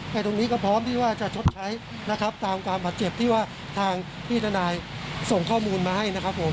แต่ตรงนี้ก็พร้อมที่ว่าจะชดใช้นะครับตามความบาดเจ็บที่ว่าทางพี่ทนายส่งข้อมูลมาให้นะครับผม